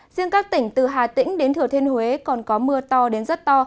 riêng các tỉnh từ hà tĩnh đến thừa thiên huế còn có mưa to đến rất to